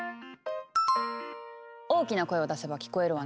大きな声を出せば聞こえるわね。